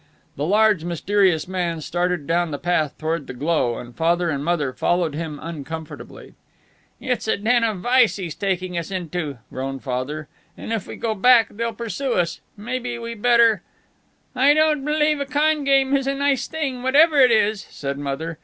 The large mysterious man started down the path toward the glow, and Father and Mother followed him uncomfortably. "It's a den of vice he's taking us into," groaned Father. "And if we go back they'll pursue us. Maybe we better " "I don't believe a con game is a nice thing, whatever it is," said Mother.